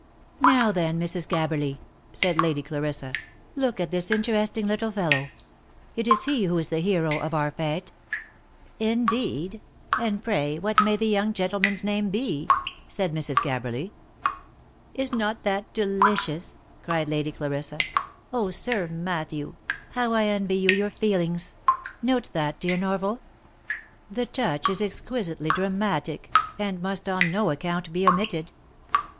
" Now then, Mrs. Gabberly," said Lady Clarissa, " look at this interesting little fellow ! It is he who is the hero of out fete" " Indeed ! And pray what may the young gentleman's name be?" said Mrs. Gabberly. " Is not that delicious V cried Lady Clarissa. " Oh, Sir Mat thew ! how I envy you your feelings ! Note that, dear Norval. The touch is exquisitely dramatic, and must on no account be omitted.